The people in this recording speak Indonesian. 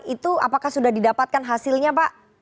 itu apakah sudah didapatkan hasilnya pak